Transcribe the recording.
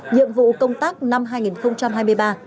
nhiệm vụ công tác năm hai nghìn hai mươi ba